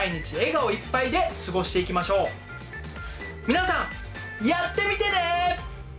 皆さんやってみてね！